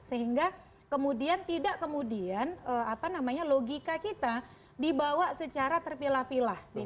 sehingga kemudian tidak kemudian logika kita dibawa secara terpilah pilah